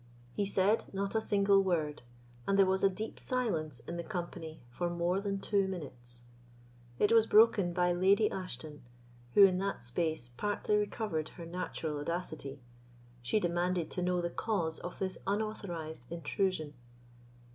He said not a single word, and there was a deep silence in the company for more than two minutes. It was broken by Lady Ashton, who in that space partly recovered her natural audacity. She demanded to know the cause of this unauthorised intrusion.